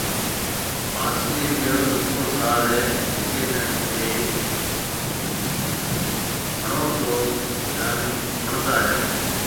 بانسري ھيَََڪ اھڙو مٺو ساز ھيَََ جڪي ني ٿي ۿڻۿو تو جاڻي ۿڻتا جائون